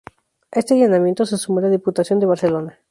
A este llamamiento se sumó la Diputación de Barcelona.